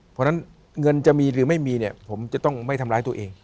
เพราะฉะนั้นเงินจะมีหรือไม่มีเนี่ยผมจะต้องไม่ทำร้ายตัวเอง